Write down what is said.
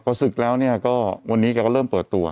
พอศึกแล้ววันนี้แกก็เริ่มเปิดตัว